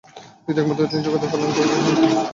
দ্বিতীয়ত একমাত্র তিনিই জগতের কল্যাণ করিতে সমর্থ হন।